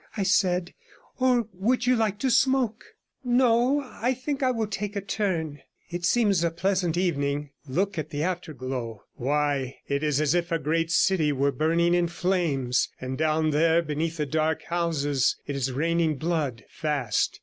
I said; 'or would you like to smoke?' 'No, I think I will take a turn; it seems a pleasant evening. Look at the afterglow; why, it is as if a great city were burning in flames, and down there between the dark houses it is raining blood fast.